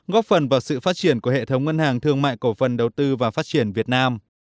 góp phần vào sự phát triển của hệ thống ngân hàng thương mại cổ phần đầu tư và phát triển việt nam